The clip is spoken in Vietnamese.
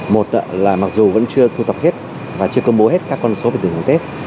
một là mặc dù vẫn chưa thu tập hết và chưa công bố hết các con số về tình hình tết